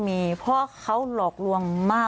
เธอจะบอกว่าเธอจะบอกว่าเธอจะบอกว่า